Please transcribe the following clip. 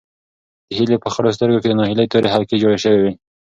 د هیلې په خړو سترګو کې د ناهیلۍ تورې حلقې جوړې شوې وې.